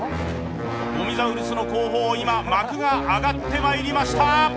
ごみザウルスの後方、今、幕が上がってまいりました。